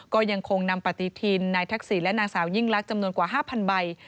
ก็ยังคงนำปฏิทินนายทักษิณและนางสาวยิ่งลักษณ์จำนวนกว่า๕๐๐ใบ